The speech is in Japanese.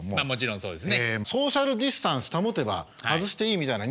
そうですね。